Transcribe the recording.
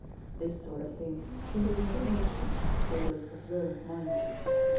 This sort of thing seemed extremely chic to Dodo's observant mind.